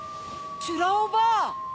ちゅらおばあ！